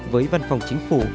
với văn phòng chính phủ